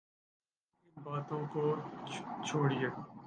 ان باتوں کو چھوڑئیے۔